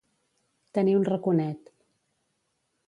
Tenir un raconet.